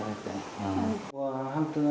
hết gà đang tròn